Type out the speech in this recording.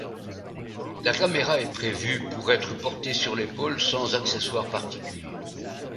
La caméra est prévue pour être portée sur l'épaule sans accessoire particulier.